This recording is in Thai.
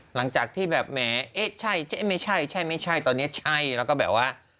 หลังจากที่แบบแหมเอ๊ะใช่ไม่ใช่ใช่ไม่ใช่ตอนนี้ใช่แล้วก็แบบว่า